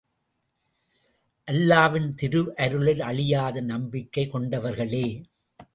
அல்லாவின் திருவருளில் அழியாத நம்பிக்கை கொண்டவர்களே!